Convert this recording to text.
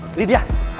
mereka udah siapin semua